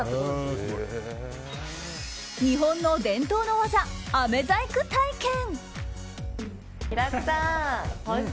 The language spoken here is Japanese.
日本の伝統の技、あめ細工体験。